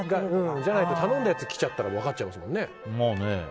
じゃないと頼んだやつが来ちゃったら分かっちゃいますもんね。